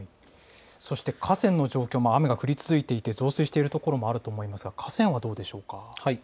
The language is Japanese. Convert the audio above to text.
そして河川の状況も、雨が降り続いていて、増水している所もあると思いますが、河川はどうでしょうか。